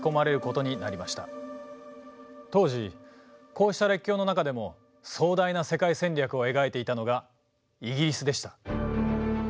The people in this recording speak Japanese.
当時こうした列強の中でも壮大な世界戦略を描いていたのがイギリスでした。